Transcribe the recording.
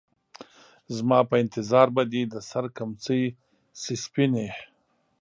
زما په انتظار به دې د سـر کمڅـۍ شي سپينې